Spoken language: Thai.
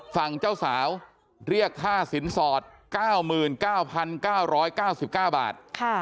ฝั่งเจ้าสาวเรียกค่าสินสอดเก้ามื่นเก้าพันเก้าร้อยเก้าสิบเก้าบาทค่ะ